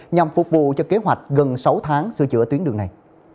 nhằm phục vụ cho kế hoạch gần sáu tháng sửa chữa tuyến đường này